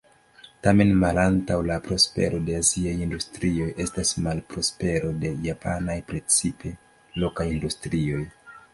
Tamen malantaŭ la prospero de aziaj industrioj estas malprospero de japanaj, precipe lokaj industrioj.